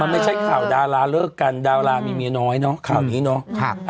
ไม่ใช่ข่าวดาราเลิกกันดารามีเมียน้อยเนาะข่าวนี้เนาะ